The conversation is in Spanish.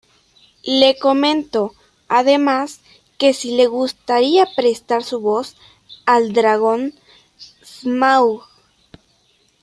Lee comentó, además, que sí le gustaría prestar su voz al dragón Smaug.